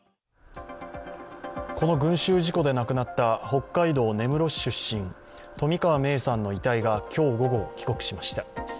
この群集事故で亡くなった北海道根室市出身、冨川芽生さんの遺体が今日午後、帰国しました。